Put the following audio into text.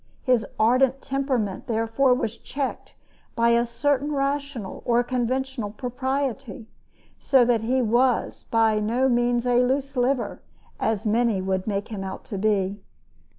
His ardent temperament, therefore, was checked by a certain rational or conventional propriety, so that he was by no means a loose liver, as many would make him out to be.